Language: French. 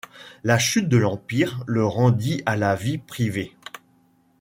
La chute de l'Empire le rendit à la vie privée.